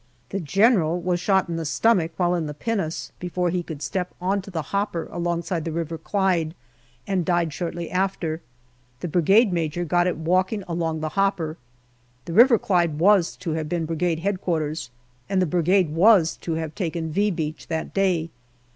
The General was shot in the stomach while in the pinnace, before he could step on to the hopper alongside the River Clyde, and died shortly after. The Brigade Major got it walking along the hopper. The River Clyde was to have been Brigade H.Q., and the Brigade was to have taken " V " Beach that day.